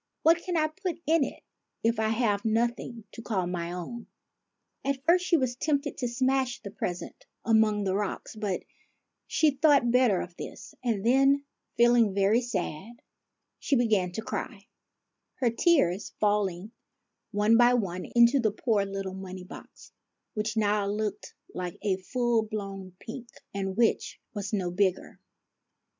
What can I put in it if I have nothing to call my own ?"/ THE MONEY BOX 85 At first she was tempted to smash the present among the rocks; but she thought better of this, and then, feeling very sad, she began to cry, her tears falling, one by one, into the poor little money box, which now looked like a full blown pink, and which was no bigger.